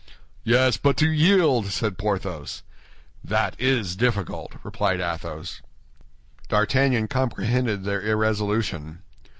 "Yes, but to yield!" said Porthos. "That is difficult," replied Athos. D'Artagnan comprehended their irresolution.